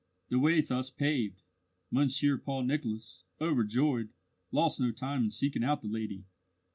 The way thus paved, Monsieur Paul Nicholas, overjoyed, lost no time in seeking out the lady.